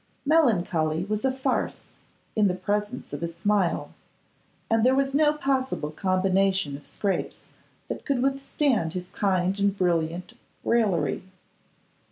Melancholy was a farce in the presence of his smile; and there was no possible combination of scrapes that could withstand his kind and brilliant raillery.